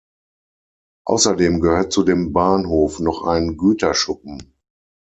Außerdem gehört zu dem Bahnhof noch ein Güterschuppen.